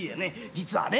実はね。